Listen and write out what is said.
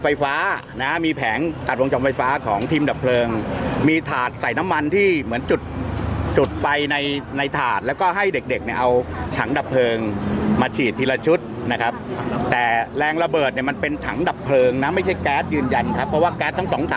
ยังถูกปิดเปล่าแล้วก็อยู่ในสภาพปกติ